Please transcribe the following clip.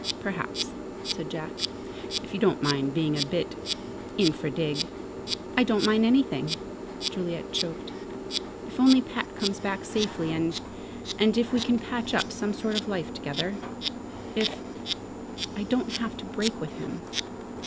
"Perhaps," said Jack. "If you don't mind being a bit infra dig." "I don't mind anything," Juliet choked, "if only Pat comes back safely and and if we can patch up some sort of a life together. If I don't have to break with him."